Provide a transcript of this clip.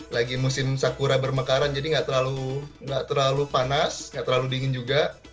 lagi musim sakura bermekaran jadi nggak terlalu panas nggak terlalu dingin juga